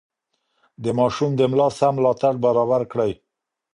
د ماشوم د ملا سم ملاتړ برابر کړئ.